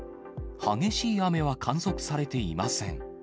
激しい雨は観測されていません。